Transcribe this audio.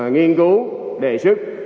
nghiên cứu đề xuất